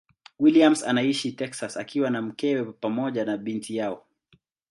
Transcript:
Williams anaishi Texas akiwa na mkewe pamoja na binti yao.